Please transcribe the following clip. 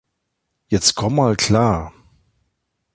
Jetzt komm mal klar!